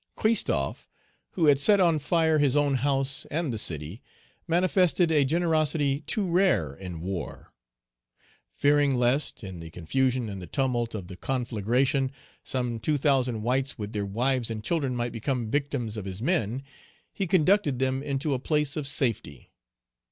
Christophe, who had set on fire his own house and the city, manifested a generosity too rare in war; fearing lest, in the confusion and the tumult of the conflagration, some two thousand whites with their wives and children might become victims of his men, be conducted them into a place of safety.